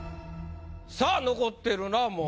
さあ残っているのはもう。